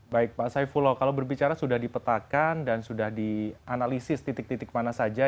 baik pak saifullah kalau berbicara sudah dipetakan dan sudah dianalisis titik titik mana saja